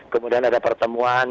kemudian ada pertemuan